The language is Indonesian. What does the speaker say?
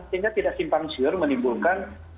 sehingga tidak simpang siur menimbulkan